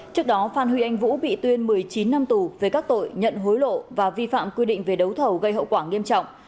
trước đó phan huy anh vũ bị tuyên một mươi chín năm tù về các tội nhận hối lộ và vi phạm quy định về đấu thầu gây hậu quả nghiêm trọng